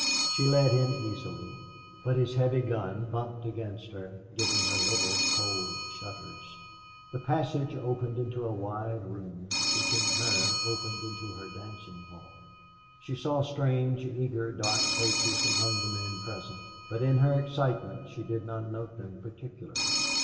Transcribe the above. She led him easily. But his heavy gun bumped against her, giving her little cold shudders. The passage opened into a wide room, which in turn opened into her dancing hall. She saw strange, eager, dark faces among the men present, but in her excitement she did not note them particularly.